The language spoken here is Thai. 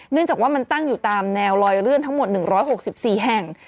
เนื่องจากว่ามันตั้งอยู่ตามแนวลอยเลื่อนทั้งหมด๑๖๔แห่ง